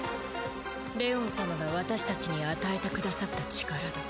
レオン様が私たちに与えてくださった力だ。